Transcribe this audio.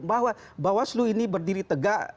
bahwa bawaslu ini berdiri tegak